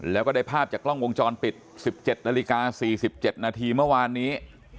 แล้วก็ได้ภาพจากกล้องวงจรปิด๑๗นาฬิกา๔๗นาทีเมื่อวานนี้